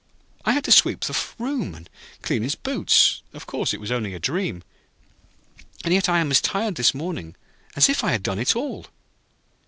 I had to sweep the room, and clean his boots. Of course, it was only a dream, and yet I am as tired this morning as if I had done it all.'